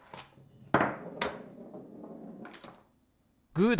グーだ！